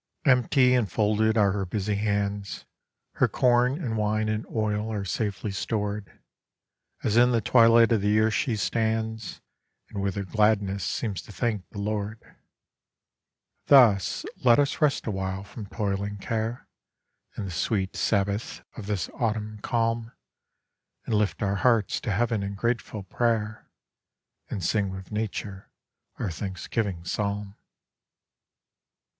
Empty and folded are her busy hands; Her corn and wine and oil are safely stored, As in the twilight of the year she stands, And with her gladness seems to thank the Lord. Thus let us rest awhile from toil and care, In the sweet sabbath of this autumn calm, And lift our hearts to heaven in grateful prayer, And sing with nature our thanksgiving psalm.